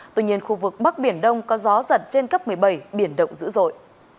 tuy nhiên khu vực bắc biển đông có gió giật trên cấp một mươi bảy biển động dữ dội